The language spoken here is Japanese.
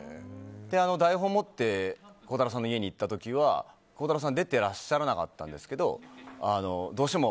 台本持って鋼太郎さんの家に行った時は鋼太郎さん出てらっしゃらなかったんですがどうしても。